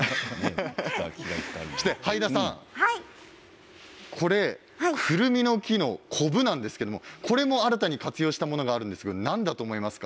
はいださん、これくるみの木のこぶなんですけどもこれも新たに活用したものなんですが何だと思いますか。